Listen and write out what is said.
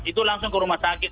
itu langsung ke rumah sakit